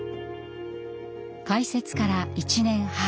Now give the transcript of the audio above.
開設から１年半。